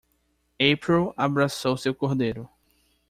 April abraçou seu cordeiro.